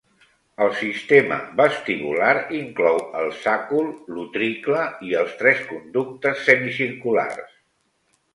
El sistema vestibular inclou el sàcul, l'utricle i els tres conductes semicirculars.